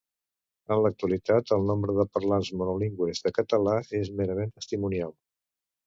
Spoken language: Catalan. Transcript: En l'actualitat, el nombre de parlants monolingües de català és merament testimonial.